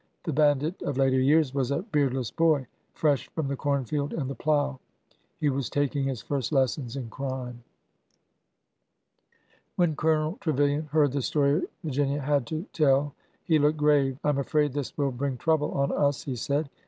The bandit of later years was a beardless boy, fresh from the corn field and the plow. He was taking his first lessons in crime. When Colonel Trevilian heard the story Virginia had to tell he looked grave. I am afraid this will bring trouble on us," he said.